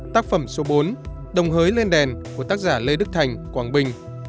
tác phẩm số bốn đồng hới lên đèn của tác giả lê đức thành quảng bình